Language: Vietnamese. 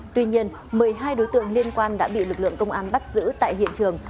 tuy nhiên một mươi hai đối tượng liên quan đã bị lực lượng công an bắt giữ tại hiện trường